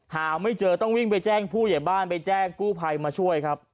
หาไม่เจอต้องวิ่งไปแจ้งผู้ใหญ่บ้านไปแจ้งกู้ภัยมาช่วยครับ